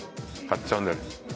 買っちゃうんだよ。